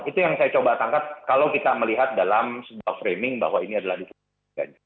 itu yang saya coba tangkap kalau kita melihat dalam sebuah framing bahwa ini adalah diskusi ganjar